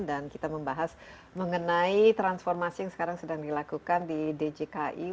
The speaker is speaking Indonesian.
dan kita membahas mengenai transformasi yang sekarang sudah dilakukan di djki